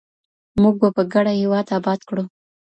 موږ به په ګډه هېواد اباد کړو.